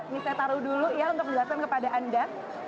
ini saya taruh dulu ya untuk menjelaskan kepada anda